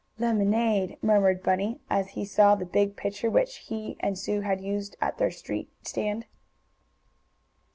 "Lemonade!" murmured Bunny, as he saw the big pitcher which he and Sue had used at their street stand.